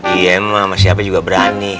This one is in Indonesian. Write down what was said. iya emang sama siapa juga berani